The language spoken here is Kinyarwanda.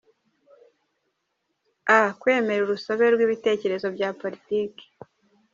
A. Kwemera urusobe rw’ibitekerezo bya Politiki: